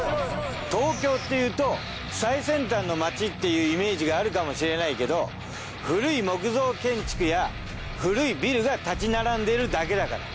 東京っていうと最先端の街っていうイメージがあるかもしれないけど古い木造建築や古いビルが建ち並んでるだけだから。